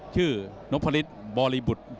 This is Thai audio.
ชื่อนพลิตบริบุทธ์